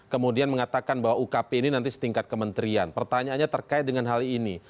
kemudian mengatakan bahwa ukp ini nanti setingkat kementerian pertanyaannya terkait dengan hal ini